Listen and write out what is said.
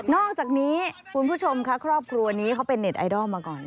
อกจากนี้คุณผู้ชมค่ะครอบครัวนี้เขาเป็นเน็ตไอดอลมาก่อน